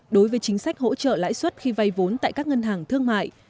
đối với chính sách hỗ trợ lãi suất khi vay vốn tại các ngân hàng thương mại